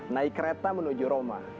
naik kereta menuju roma